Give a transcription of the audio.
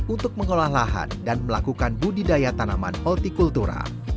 untuk mengolah lahan dan melakukan budidaya tanaman multi kultura